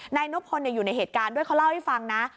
นายนบพลอยู่ในเหตุการณ์ด้วยเขาเล่าให้ฟังนะ